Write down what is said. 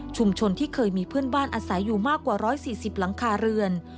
ที่เคยมีเพื่อนบ้านอาศัยอยู่มากกว่า๑๔๐หลังคาเรือน